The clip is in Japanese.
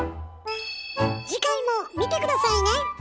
次回も見て下さいね！